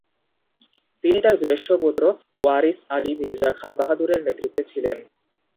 তিনি তার জ্যেষ্ঠ পুত্র ওয়ারিস আলী মির্জা খান বাহাদুরের নেতৃত্বে ছিলেন।